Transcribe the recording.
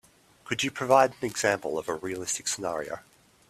Could you provide an example of a realistic scenario?